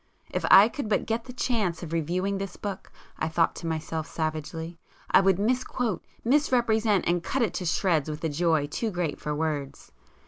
If I could but get the chance of reviewing this book, I thought to myself savagely!—I would misquote, misrepresent, and cut it to shreds with a joy too great for words!